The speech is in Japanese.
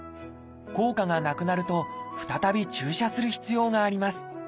効果がなくなると再び注射する必要があります。